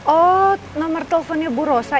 oh nomor teleponnya bu rosa